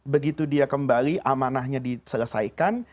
begitu dia kembali amanahnya diselesaikan